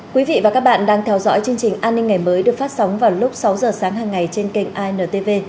quý vị và các bạn đang theo dõi chương trình an ninh ngày mới được phát sóng vào lúc sáu giờ sáng hàng ngày trên kênh intv